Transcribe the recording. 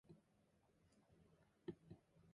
Turnbull did not attend art school.